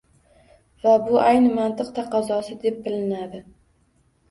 Va bu ayni mantiq taqozosi deb bilinadi.